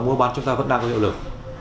mua bán chúng ta vẫn đang có hiệu lực